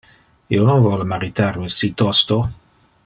Io non vole maritar me si tosto.